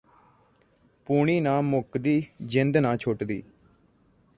ਪੂਣੀ ਨਾ ਮੁੱਕਦੀ ਜਿੰਦ ਨਾ ਛੁੱਟਦੀ